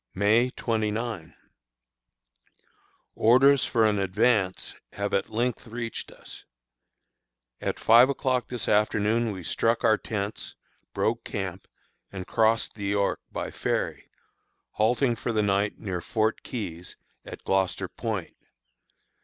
May 29. Orders for an advance have at length reached us. At five o'clock this afternoon we struck our tents, broke camp, and crossed the York by ferry, halting for the night near Fort Keyes, at Gloucester Point.